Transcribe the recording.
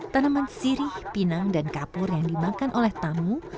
tanaman sirih pinang dan kapur yang dimakan oleh tamu